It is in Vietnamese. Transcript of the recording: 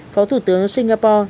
phó thủ tướng singapore